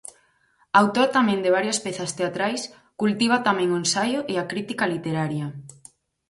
Autor tamén de varias pezas teatrais, cultiva tamén o ensaio e a crítica literaria.